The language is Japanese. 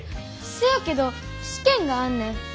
せやけど試験があんねん。